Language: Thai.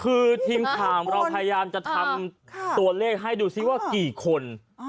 คือทีมข่าวเราพยายามจะทำตัวเลขให้ดูซิว่ากี่คน